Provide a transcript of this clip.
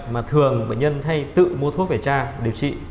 mà thường bệnh nhân hay tự mua thuốc về cha điều trị